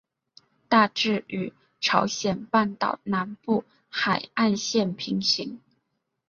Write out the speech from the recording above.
大致与朝鲜半岛南部海岸线平行。